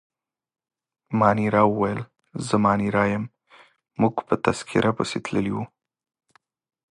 مانیرا وویل: زه مانیرا یم، موږ په تذکیره پسې تللي وو.